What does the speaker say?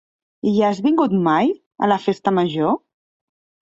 Hi has vingut mai, a la festa major?